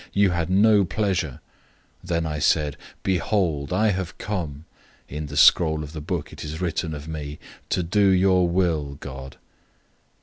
010:007 Then I said, 'Behold, I have come (in the scroll of the book it is written of me) to do your will, O God.'"